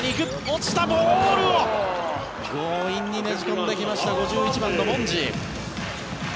落ちたボールを強引にねじ込んできました５１番のモンジ。